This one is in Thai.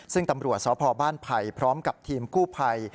ซึ่งตำรวจสพบ้านไผ่พร้อมกับทีมกู้ภัย